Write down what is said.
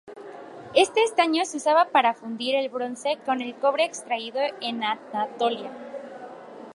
Este estaño se usaba para fundir el bronce con el cobre extraído en Anatolia.